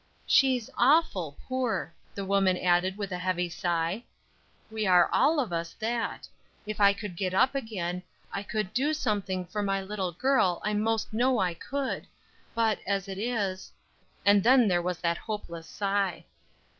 "She's awful poor," the woman added with a heavy sigh. "We are all of us that; if I could get up again, I could do something for my little girl I most know I could, but, as it is " And then there was that hopeless sigh.